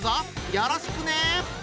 よろしくね！